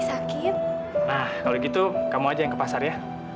satria ga tardi